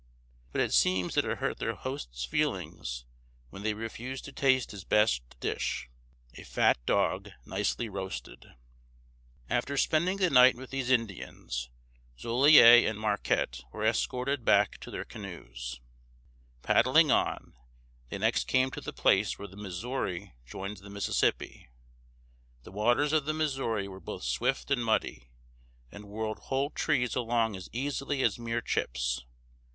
But it seems that it hurt their host's feelings when they refused to taste his best dish, a fat dog nicely roasted! [Illustration: Marquette and Joliet come to an Indian Village.] After spending the night with these Indians, Joliet and Marquette were escorted back to their canoes. Paddling on, they next came to the place where the Missouri joins the Mississippi. The waters of the Missouri were both swift and muddy, and whirled whole trees along as easily as mere chips.